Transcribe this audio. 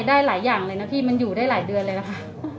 ได้หลายอย่างเลยนะพี่มันอยู่ได้หลายเดือนเลยนะคะ